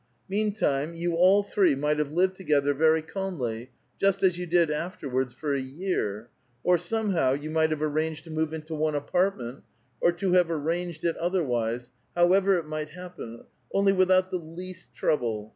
Meantime, )'ou all three might have lived together very calmly, just as you did afterwards for a year ; or, somehow, you might have ar ranged to move into one apartment, or to have arranged it other wise, however it might happen, only without the least trouble.